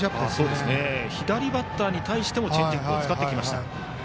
左バッターに対してもチェンジアップを使ってきました。